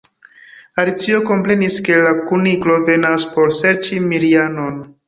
Alicio komprenis ke la Kuniklo venas por serĉi Marianon.